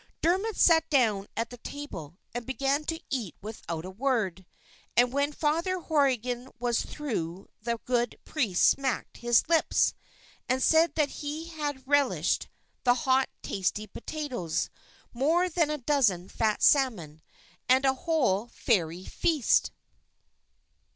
Dermod sat down at the table, and began to eat without a word. And when Father Horrigan was through the good Priest smacked his lips, and said that he had relished the hot tasty potatoes, more than a dozen fat salmon, and a whole Fairy feast!